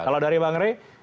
kalau dari bang rey